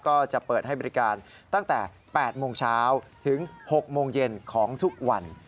ก็จะเปิดให้บริการตั้งแต่๘โมงเช้าถึง๖โมงเย็นของทุกวัน